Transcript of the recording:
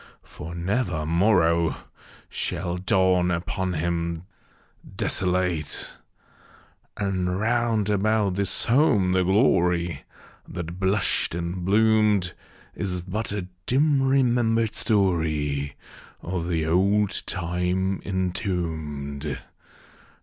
for never morrow Shall dawn upon him desolate !) And round about his home the glory That blushed and bloomed, Is but a dim remembered story Of the old time entombed.